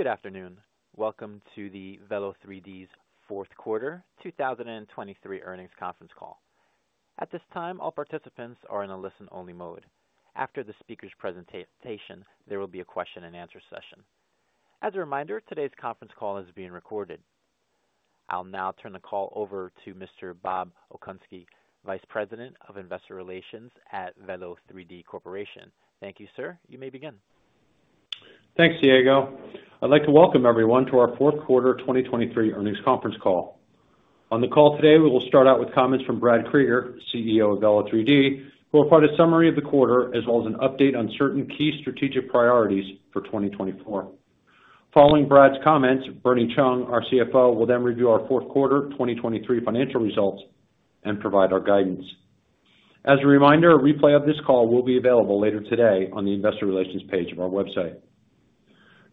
Good afternoon. Welcome to the Velo3D's fourth quarter, 2023 earnings conference call. At this time, all participants are in a listen-only mode. After the speaker's presentation, there will be a question and answer session. As a reminder, today's conference call is being recorded. I'll now turn the call over to Mr. Bob Okunski, Vice President of Investor Relations at Velo3D Corporation. Thank you, sir. You may begin. Thanks, Diego. I'd like to welcome everyone to our fourth quarter 2023 earnings conference call. On the call today, we will start out with comments from Brad Kreger, CEO of Velo3D, who will provide a summary of the quarter, as well as an update on certain key strategic priorities for 2024. Following Brad's comments, Bernie Chung, our CFO, will then review our fourth quarter 2023 financial results and provide our guidance. As a reminder, a replay of this call will be available later today on the Investor Relations page of our website.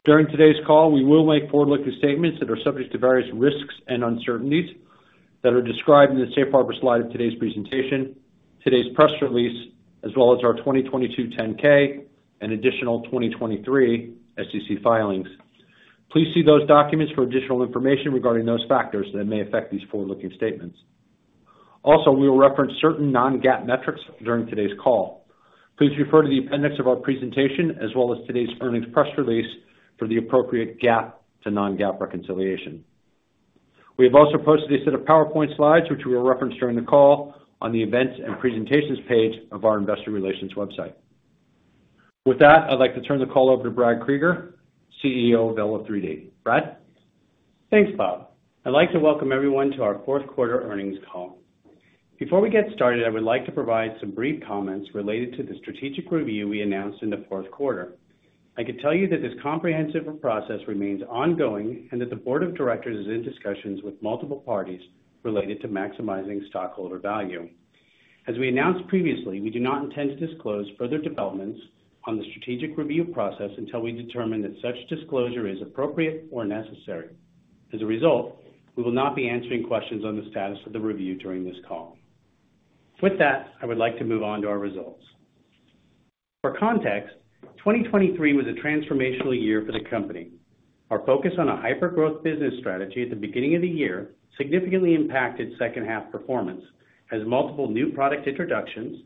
During today's call, we will make forward-looking statements that are subject to various risks and uncertainties that are described in the safe harbor slide of today's presentation, today's press release, as well as our 2022 10-K and additional 2023 SEC filings. Please see those documents for additional information regarding those factors that may affect these forward-looking statements. Also, we will reference certain non-GAAP metrics during today's call. Please refer to the appendix of our presentation, as well as today's earnings press release for the appropriate GAAP to non-GAAP reconciliation. We have also posted a set of PowerPoint slides, which we will reference during the call on the Events and Presentations page of our investor relations website. With that, I'd like to turn the call over to Brad Kreger, CEO of Velo3D. Brad? Thanks, Bob. I'd like to welcome everyone to our fourth quarter earnings call. Before we get started, I would like to provide some brief comments related to the strategic review we announced in the fourth quarter. I can tell you that this comprehensive process remains ongoing and that the board of directors is in discussions with multiple parties related to maximizing stockholder value. As we announced previously, we do not intend to disclose further developments on the strategic review process until we determine that such disclosure is appropriate or necessary. As a result, we will not be answering questions on the status of the review during this call. So with that, I would like to move on to our results. For context, 2023 was a transformational year for the company. Our focus on a hyper-growth business strategy at the beginning of the year significantly impacted second half performance, as multiple new product introductions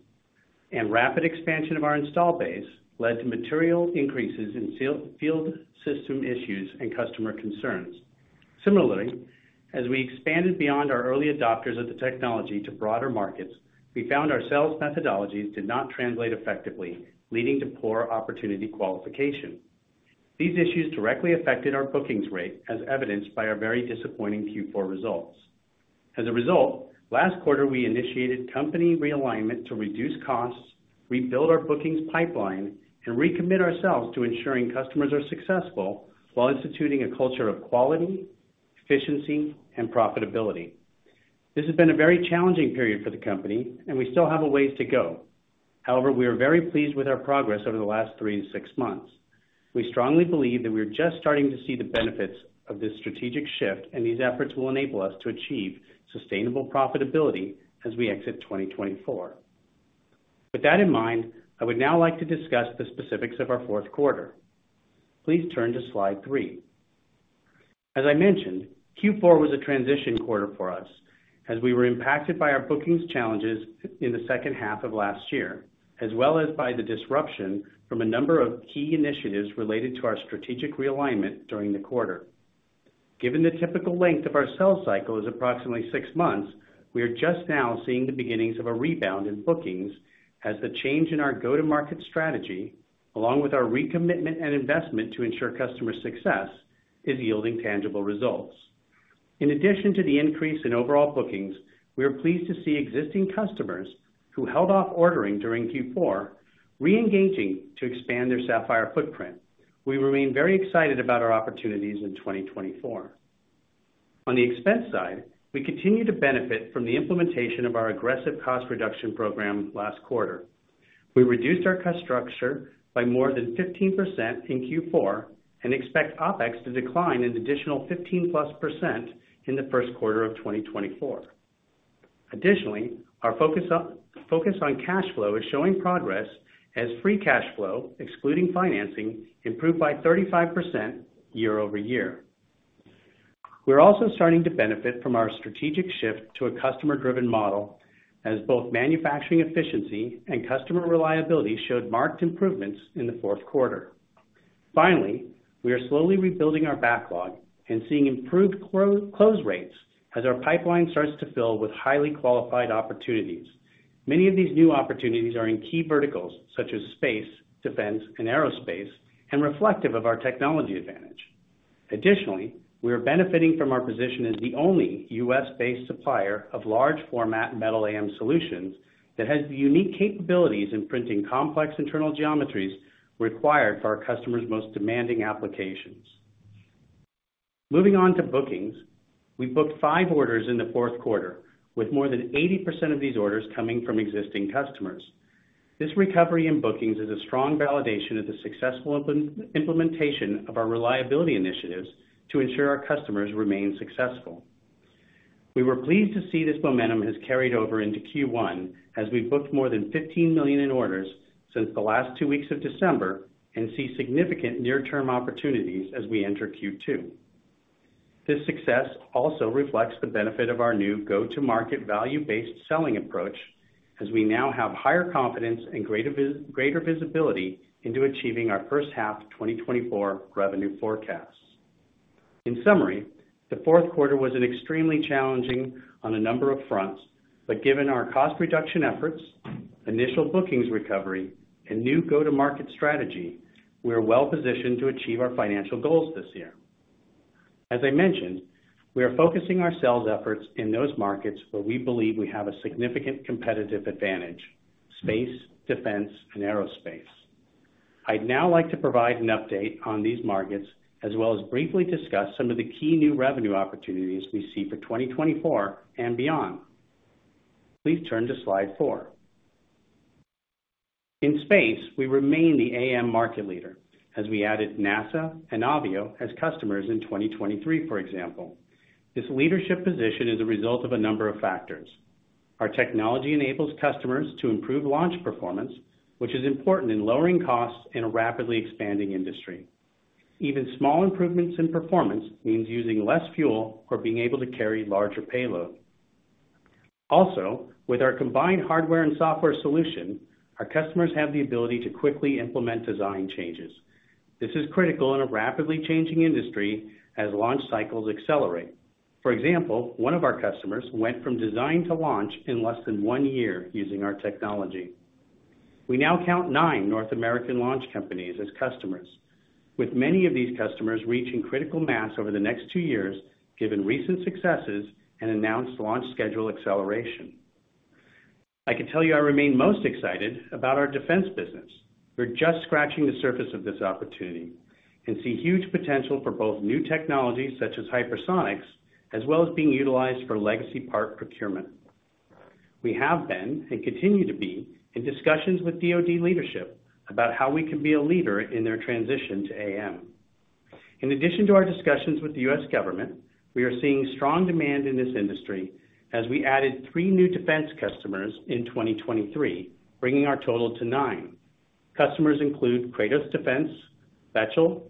and rapid expansion of our install base led to material increases in field system issues and customer concerns. Similarly, as we expanded beyond our early adopters of the technology to broader markets, we found our sales methodologies did not translate effectively, leading to poor opportunity qualification. These issues directly affected our bookings rate, as evidenced by our very disappointing Q4 results. As a result, last quarter, we initiated company realignment to reduce costs, rebuild our bookings pipeline, and recommit ourselves to ensuring customers are successful while instituting a culture of quality, efficiency, and profitability. This has been a very challenging period for the company, and we still have a ways to go. However, we are very pleased with our progress over the last 3-6 months. We strongly believe that we are just starting to see the benefits of this strategic shift, and these efforts will enable us to achieve sustainable profitability as we exit 2024. With that in mind, I would now like to discuss the specifics of our fourth quarter. Please turn to slide 3. As I mentioned, Q4 was a transition quarter for us, as we were impacted by our bookings challenges in the second half of last year, as well as by the disruption from a number of key initiatives related to our strategic realignment during the quarter. Given the typical length of our sales cycle is approximately 6 months, we are just now seeing the beginnings of a rebound in bookings as the change in our go-to-market strategy, along with our recommitment and investment to ensure customer success, is yielding tangible results. In addition to the increase in overall bookings, we are pleased to see existing customers who held off ordering during Q4 reengaging to expand their Sapphire footprint. We remain very excited about our opportunities in 2024. On the expense side, we continue to benefit from the implementation of our aggressive cost reduction program last quarter. We reduced our cost structure by more than 15% in Q4 and expect OpEx to decline an additional 15%+ in the first quarter of 2024. Additionally, our focus on cash flow is showing progress as free cash flow, excluding financing, improved by 35% year-over-year. We're also starting to benefit from our strategic shift to a customer-driven model, as both manufacturing efficiency and customer reliability showed marked improvements in the fourth quarter. Finally, we are slowly rebuilding our backlog and seeing improved close rates as our pipeline starts to fill with highly qualified opportunities. Many of these new opportunities are in key verticals such as space, defense, and aerospace, and reflective of our technology advantage. Additionally, we are benefiting from our position as the only U.S.-based supplier of large format metal AM solutions that has the unique capabilities in printing complex internal geometries required for our customers' most demanding applications. Moving on to bookings. We booked 5 orders in the fourth quarter, with more than 80% of these orders coming from existing customers. This recovery in bookings is a strong validation of the successful implementation of our reliability initiatives to ensure our customers remain successful. We were pleased to see this momentum has carried over into Q1, as we booked more than $15 million in orders since the last two weeks of December and see significant near-term opportunities as we enter Q2. This success also reflects the benefit of our new go-to-market value-based selling approach, as we now have higher confidence and greater visibility into achieving our first half of 2024 revenue forecasts. In summary, the fourth quarter was an extremely challenging one on a number of fronts, but given our cost reduction efforts, initial bookings recovery, and new go-to-market strategy, we are well positioned to achieve our financial goals this year. As I mentioned, we are focusing our sales efforts in those markets where we believe we have a significant competitive advantage: space, defense, and aerospace. I'd now like to provide an update on these markets, as well as briefly discuss some of the key new revenue opportunities we see for 2024 and beyond. Please turn to slide 4. In space, we remain the AM market leader, as we added NASA and Avio as customers in 2023, for example. This leadership position is a result of a number of factors. Our technology enables customers to improve launch performance, which is important in lowering costs in a rapidly expanding industry. Even small improvements in performance means using less fuel or being able to carry larger payload. Also, with our combined hardware and software solution, our customers have the ability to quickly implement design changes. This is critical in a rapidly changing industry as launch cycles accelerate. For example, one of our customers went from design to launch in less than one year using our technology. We now count nine North American launch companies as customers, with many of these customers reaching critical mass over the next two years, given recent successes and announced launch schedule acceleration. I can tell you I remain most excited about our defense business. We're just scratching the surface of this opportunity and see huge potential for both new technologies, such as hypersonics, as well as being utilized for legacy part procurement. We have been, and continue to be, in discussions with DoD leadership about how we can be a leader in their transition to AM. In addition to our discussions with the US government, we are seeing strong demand in this industry as we added three new defense customers in 2023, bringing our total to nine. Customers include Kratos Defense, Bechtel,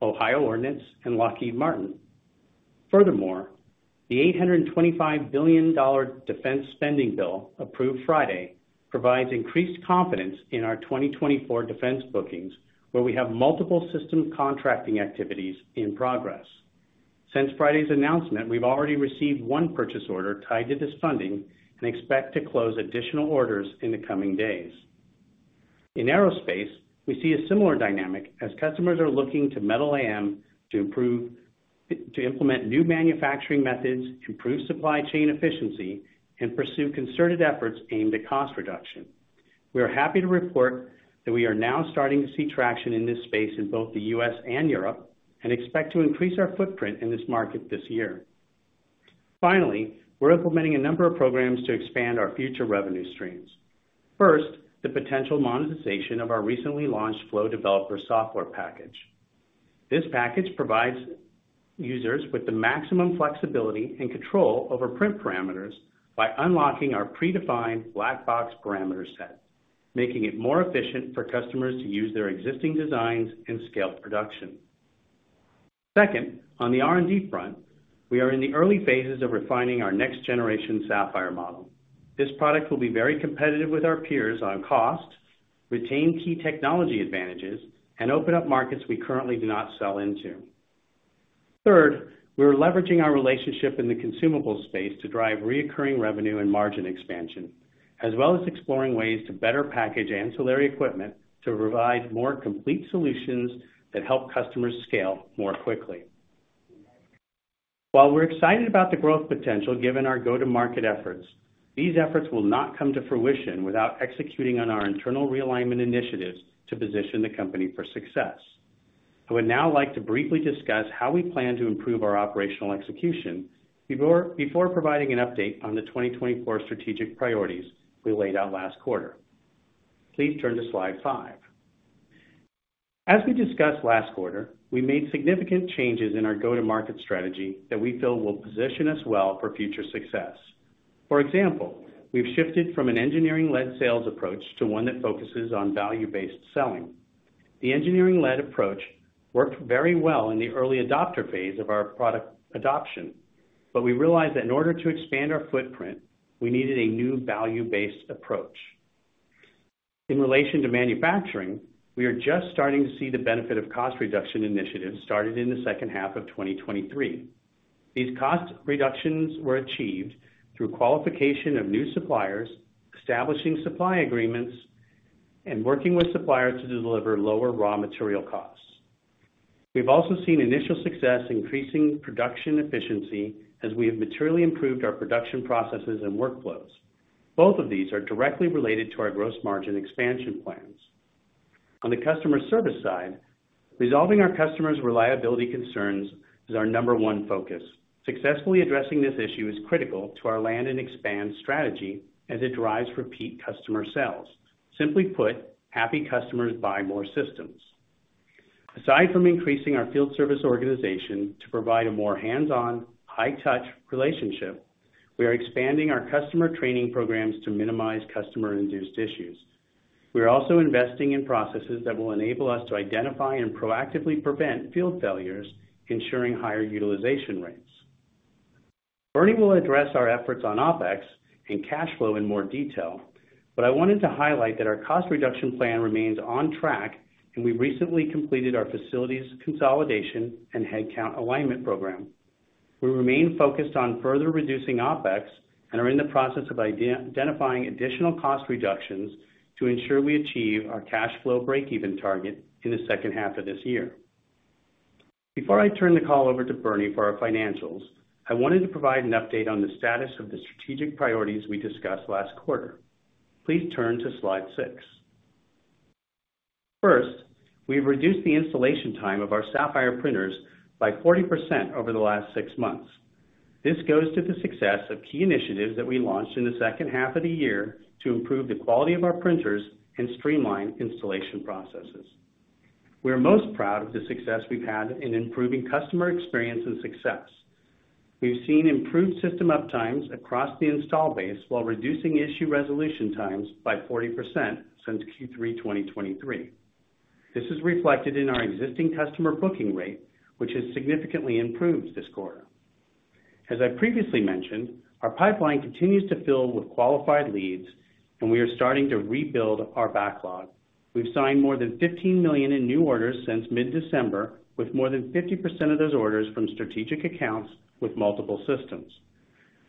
Ohio Ordnance, and Lockheed Martin. Furthermore, the $825 billion defense spending bill, approved Friday, provides increased confidence in our 2024 defense bookings, where we have multiple system contracting activities in progress. Since Friday's announcement, we've already received one purchase order tied to this funding and expect to close additional orders in the coming days. In aerospace, we see a similar dynamic as customers are looking to metal AM to implement new manufacturing methods, improve supply chain efficiency, and pursue concerted efforts aimed at cost reduction. We are happy to report that we are now starting to see traction in this space in both the U.S. and Europe, and expect to increase our footprint in this market this year. Finally, we're implementing a number of programs to expand our future revenue streams. First, the potential monetization of our recently launched Flow Developer software package. This package provides users with the maximum flexibility and control over print parameters by unlocking our predefined black box parameter set, making it more efficient for customers to use their existing designs and scale production. Second, on the R&D front, we are in the early phases of refining our next-generation Sapphire model. This product will be very competitive with our peers on cost, retain key technology advantages, and open up markets we currently do not sell into. Third, we are leveraging our relationship in the consumables space to drive recurring revenue and margin expansion, as well as exploring ways to better package ancillary equipment to provide more complete solutions that help customers scale more quickly. While we're excited about the growth potential given our go-to-market efforts, these efforts will not come to fruition without executing on our internal realignment initiatives to position the company for success. I would now like to briefly discuss how we plan to improve our operational execution before providing an update on the 2024 strategic priorities we laid out last quarter. Please turn to slide 5. As we discussed last quarter, we made significant changes in our go-to-market strategy that we feel will position us well for future success. For example, we've shifted from an engineering-led sales approach to one that focuses on value-based selling. The engineering-led approach worked very well in the early adopter phase of our product adoption, but we realized that in order to expand our footprint, we needed a new value-based approach. In relation to manufacturing, we are just starting to see the benefit of cost reduction initiatives started in the second half of 2023. These cost reductions were achieved through qualification of new suppliers, establishing supply agreements, and working with suppliers to deliver lower raw material costs. We've also seen initial success increasing production efficiency as we have materially improved our production processes and workflows. Both of these are directly related to our gross margin expansion plans. On the customer service side, resolving our customers' reliability concerns is our number one focus. Successfully addressing this issue is critical to our land and expand strategy as it drives repeat customer sales. Simply put, happy customers buy more systems. Aside from increasing our field service organization to provide a more hands-on, high-touch relationship, we are expanding our customer training programs to minimize customer-induced issues. We are also investing in processes that will enable us to identify and proactively prevent field failures, ensuring higher utilization rates. Bernie will address our efforts on OpEx and cash flow in more detail, but I wanted to highlight that our cost reduction plan remains on track, and we recently completed our facilities consolidation and headcount alignment program. We remain focused on further reducing OpEx and are in the process of identifying additional cost reductions to ensure we achieve our cash flow breakeven target in the second half of this year. Before I turn the call over to Bernie for our financials, I wanted to provide an update on the status of the strategic priorities we discussed last quarter. Please turn to slide 6. First, we've reduced the installation time of our Sapphire printers by 40% over the last 6 months. This goes to the success of key initiatives that we launched in the second half of the year to improve the quality of our printers and streamline installation processes. We are most proud of the success we've had in improving customer experience and success. We've seen improved system uptimes across the install base while reducing issue resolution times by 40% since Q3 2023. This is reflected in our existing customer booking rate, which has significantly improved this quarter. As I previously mentioned, our pipeline continues to fill with qualified leads, and we are starting to rebuild our backlog. We've signed more than $15 million in new orders since mid-December, with more than 50% of those orders from strategic accounts with multiple systems.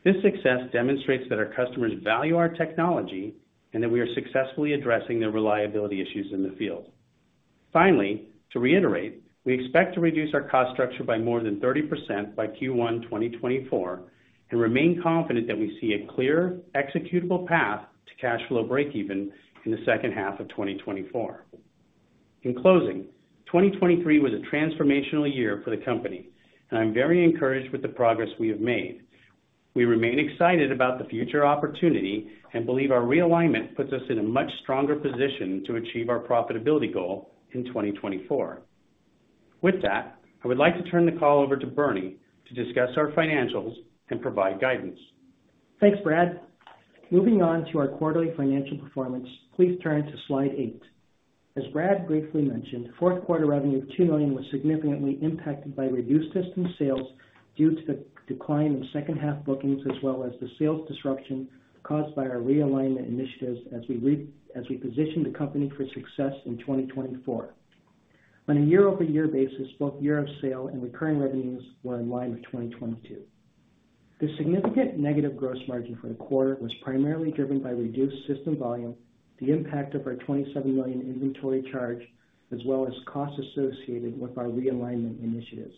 This success demonstrates that our customers value our technology and that we are successfully addressing the reliability issues in the field. Finally, to reiterate, we expect to reduce our cost structure by more than 30% by Q1 2024, and remain confident that we see a clear executable path to cash flow breakeven in the second half of 2024. In closing, 2023 was a transformational year for the company, and I'm very encouraged with the progress we have made. We remain excited about the future opportunity and believe our realignment puts us in a much stronger position to achieve our profitability goal in 2024. With that, I would like to turn the call over to Bernie to discuss our financials and provide guidance. Thanks, Brad. Moving on to our quarterly financial performance, please turn to slide 8. As Brad briefly mentioned, fourth quarter revenue of $2 million was significantly impacted by reduced system sales due to the decline in second half bookings, as well as the sales disruption caused by our realignment initiatives as we position the company for success in 2024. On a year-over-year basis, both year of sale and recurring revenues were in line with 2022. The significant negative gross margin for the quarter was primarily driven by reduced system volume, the impact of our $27 million inventory charge, as well as costs associated with our realignment initiatives.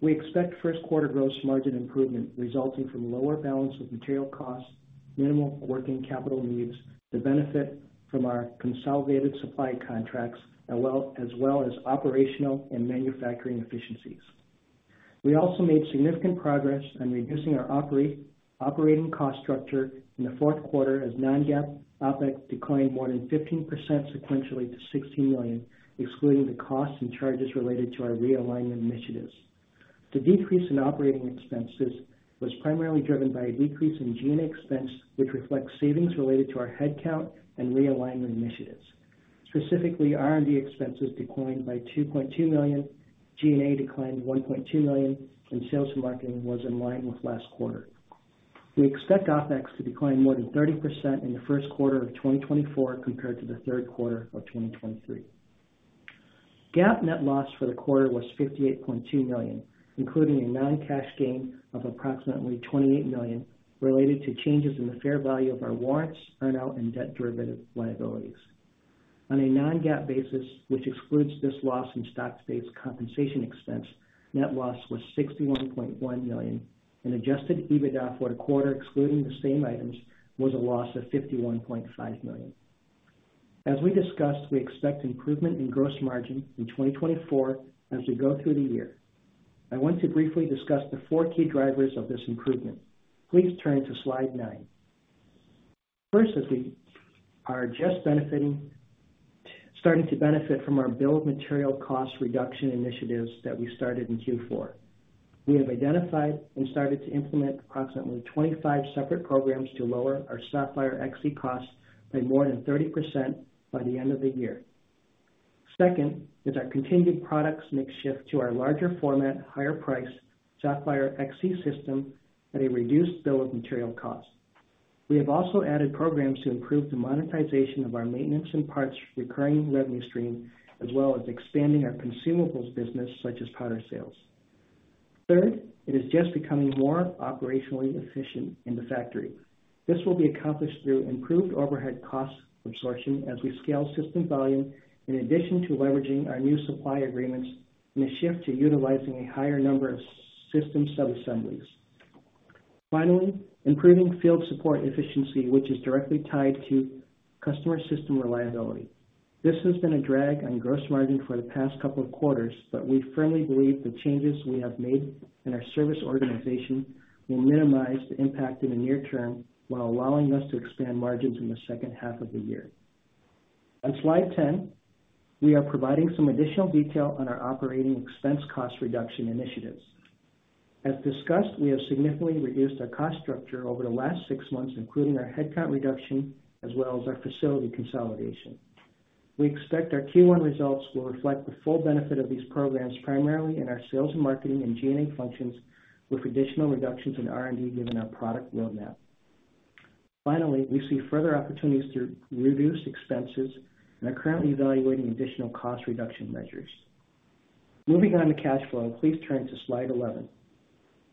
We expect first quarter gross margin improvement resulting from lower bill of materials costs, minimal working capital needs to benefit from our consolidated supply contracts, as well as operational and manufacturing efficiencies. We also made significant progress on reducing our operating cost structure in the fourth quarter, as non-GAAP OpEx declined more than 15% sequentially to $16 million, excluding the costs and charges related to our realignment initiatives. The decrease in operating expenses was primarily driven by a decrease in G&A expense, which reflects savings related to our headcount and realignment initiatives. Specifically, R&D expenses declined by $2.2 million, G&A declined $1.2 million, and sales and marketing was in line with last quarter. We expect OpEx to decline more than 30% in the first quarter of 2024 compared to the third quarter of 2023. GAAP net loss for the quarter was $58.2 million, including a non-cash gain of approximately $28 million related to changes in the fair value of our warrants, earn-out and debt derivative liabilities. On a Non-GAAP basis, which excludes this loss in stock-based compensation expense, net loss was $61.1 million, and Adjusted EBITDA for the quarter, excluding the same items, was a loss of $51.5 million. As we discussed, we expect improvement in gross margin in 2024 as we go through the year. I want to briefly discuss the 4 key drivers of this improvement. Please turn to slide 9. First, is we are just benefiting, starting to benefit from our bill of materials cost reduction initiatives that we started in Q4. We have identified and started to implement approximately 25 separate programs to lower our Sapphire XC costs by more than 30% by the end of the year. Second, is our continued products mix shift to our larger format, higher price Sapphire XC system at a reduced bill of materials cost. We have also added programs to improve the monetization of our maintenance and parts recurring revenue stream, as well as expanding our consumables business, such as powder sales. Third, it is just becoming more operationally efficient in the factory. This will be accomplished through improved overhead cost absorption as we scale system volume, in addition to leveraging our new supply agreements and a shift to utilizing a higher number of system subassemblies. Finally, improving field support efficiency, which is directly tied to customer system reliability. This has been a drag on gross margin for the past couple of quarters, but we firmly believe the changes we have made in our service organization will minimize the impact in the near term, while allowing us to expand margins in the second half of the year.... On Slide 10, we are providing some additional detail on our operating expense cost reduction initiatives. As discussed, we have significantly reduced our cost structure over the last six months, including our headcount reduction as well as our facility consolidation. We expect our Q1 results will reflect the full benefit of these programs, primarily in our sales and marketing and G&A functions, with additional reductions in R&D, given our product roadmap. Finally, we see further opportunities to reduce expenses and are currently evaluating additional cost reduction measures. Moving on to cash flow, please turn to Slide 11.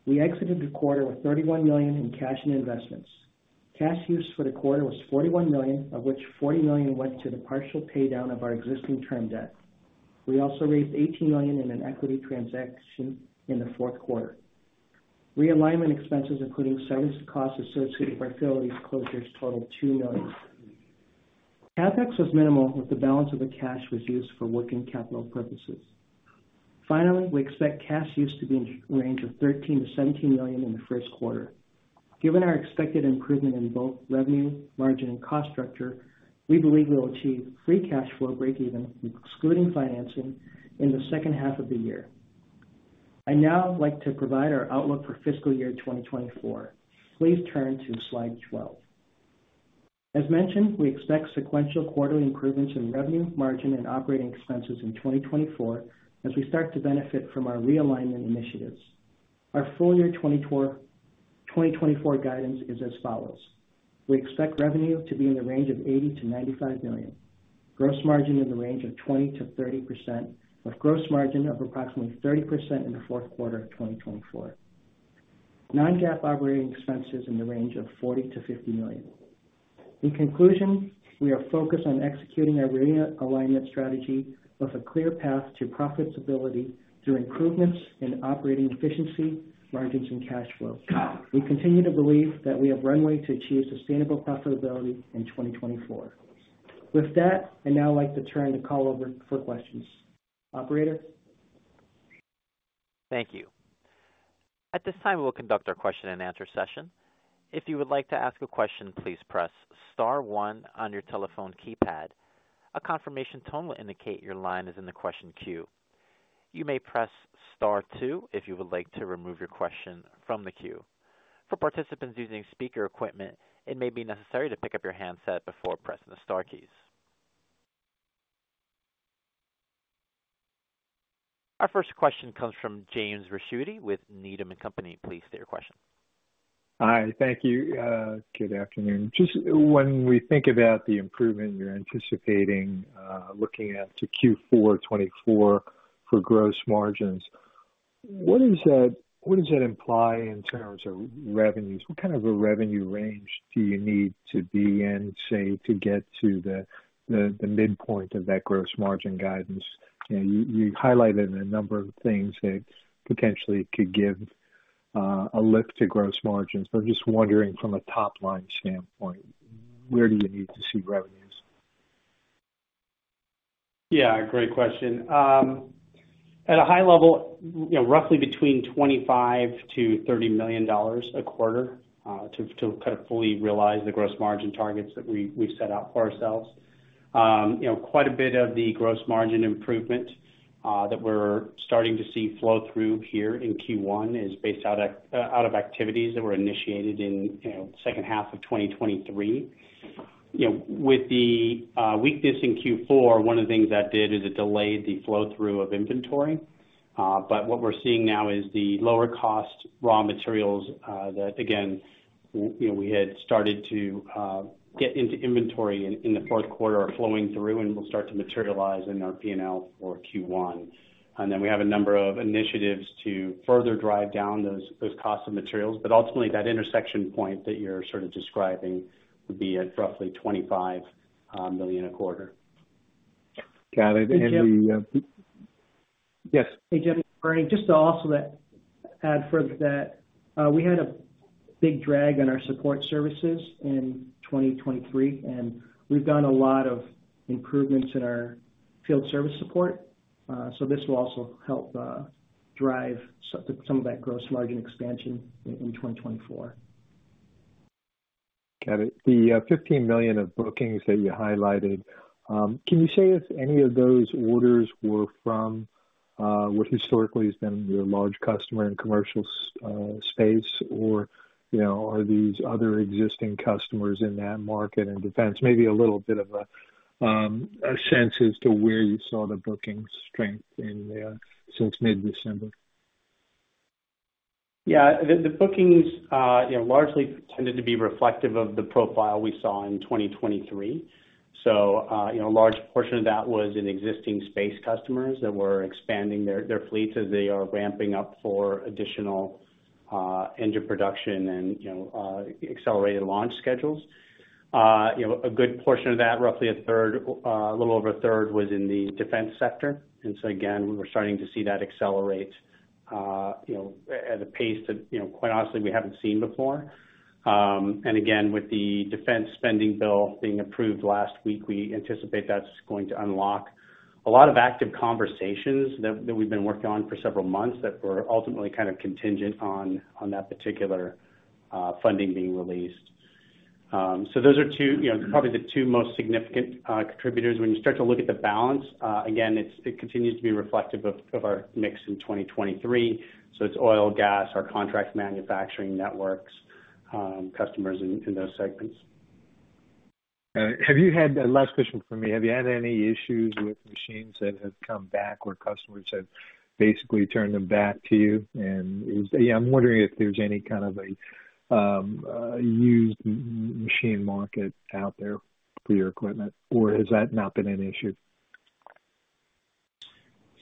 We exited the quarter with $31 million in cash and investments. Cash use for the quarter was $41 million, of which $40 million went to the partial paydown of our existing term debt. We also raised $18 million in an equity transaction in the fourth quarter. Realignment expenses, including service costs associated with our facilities closures, totaled $2 million. CapEx was minimal, with the balance of the cash was used for working capital purposes. Finally, we expect cash use to be in the range of $13 million-$17 million in the first quarter. Given our expected improvement in both revenue, margin, and cost structure, we believe we'll achieve free cash flow breakeven, excluding financing, in the second half of the year. I'd now like to provide our outlook for fiscal year 2024. Please turn to Slide 12. As mentioned, we expect sequential quarterly improvements in revenue, margin, and operating expenses in 2024 as we start to benefit from our realignment initiatives. Our full year 2024 guidance is as follows: We expect revenue to be in the range of $80 million-$95 million, gross margin in the range of 20%-30%, with gross margin of approximately 30% in the fourth quarter of 2024. Non-GAAP operating expenses in the range of $40 million-$50 million. In conclusion, we are focused on executing our realignment strategy with a clear path to profitability through improvements in operating efficiency, margins, and cash flow. We continue to believe that we have runway to achieve sustainable profitability in 2024. With that, I'd now like to turn the call over for questions. Operator? Thank you. At this time, we'll conduct our question and answer session. If you would like to ask a question, please press star one on your telephone keypad. A confirmation tone will indicate your line is in the question queue. You may press star two if you would like to remove your question from the queue. For participants using speaker equipment, it may be necessary to pick up your handset before pressing the star keys. Our first question comes from James Ricchiuti with Needham & Company. Please state your question. Hi. Thank you. Good afternoon. Just when we think about the improvement you're anticipating, looking at to Q4 2024 for gross margins, what does that, what does that imply in terms of revenues? What kind of a revenue range do you need to be in, say, to get to the, the, the midpoint of that gross margin guidance? And you, you highlighted a number of things that potentially could give, a lift to gross margins. So I'm just wondering, from a top-line standpoint, where do you need to see revenues? Yeah, great question. At a high level, you know, roughly between $25 million-$30 million a quarter to kind of fully realize the gross margin targets that we've set out for ourselves. You know, quite a bit of the gross margin improvement that we're starting to see flow through here in Q1 is based out of activities that were initiated in, you know, second half of 2023. You know, with the weakness in Q4, one of the things that did is it delayed the flow-through of inventory. But what we're seeing now is the lower cost raw materials that again, you know, we had started to get into inventory in the fourth quarter are flowing through and will start to materialize in our PNL for Q1. And then we have a number of initiatives to further drive down those costs of materials. But ultimately, that intersection point that you're sort of describing would be at roughly $25 million a quarter. Got it. And the, Hey, Jim. Yes. Hey, Jim, Bernie. Just to also add for that, we had a big drag on our support services in 2023, and we've done a lot of improvements in our field service support. So this will also help drive some of that gross margin expansion in 2024. Got it. The $15 million of bookings that you highlighted, can you say if any of those orders were from what historically has been your large customer and commercial space, or, you know, are these other existing customers in that market and defense? Maybe a little bit of a sense as to where you saw the bookings strength in there since mid-December. Yeah, the bookings, you know, largely tended to be reflective of the profile we saw in 2023. So, you know, a large portion of that was in existing space customers that were expanding their fleets as they are ramping up for additional into production and, you know, accelerated launch schedules. You know, a good portion of that, roughly a third, a little over a third, was in the defense sector. And so again, we're starting to see that accelerate, you know, at a pace that, you know, quite honestly, we haven't seen before. And again, with the defense spending bill being approved last week, we anticipate that's going to unlock a lot of active conversations that we've been working on for several months that were ultimately kind of contingent on that particular funding being released. So those are two, you know, probably the two most significant contributors. When you start to look at the balance, again, it's it continues to be reflective of our mix in 2023. So it's oil, gas, our contract manufacturing networks, customers in those segments. Have you had... Last question from me. Have you had any issues with machines that have come back, where customers have basically turned them back to you? And, yeah, I'm wondering if there's any kind of a used machine market out there for your equipment, or has that not been an issue?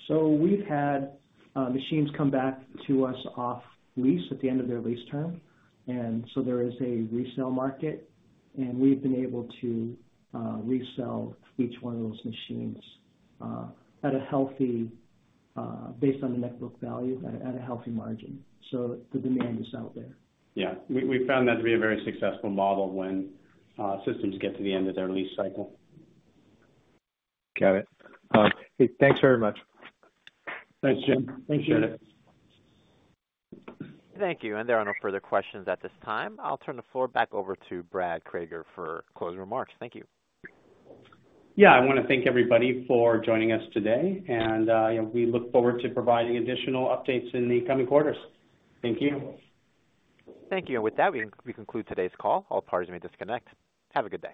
So we've had machines come back to us off lease at the end of their lease term, and so there is a resale market, and we've been able to resell each one of those machines at a healthy based on the net book value at a healthy margin. So the demand is out there. Yeah, we found that to be a very successful model when systems get to the end of their lease cycle. Got it. Hey, thanks very much. Thanks, Jim. Appreciate it. Thank you. There are no further questions at this time. I'll turn the floor back over to Brad Kreger for closing remarks. Thank you. Yeah, I want to thank everybody for joining us today, and we look forward to providing additional updates in the coming quarters. Thank you. Thank you. With that, we conclude today's call. All parties may disconnect. Have a good day.